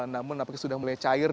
namun apakah sudah mulai cair